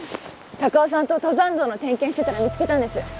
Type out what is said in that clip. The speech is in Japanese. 孝夫さんと登山道の点検してたら見つけたんです。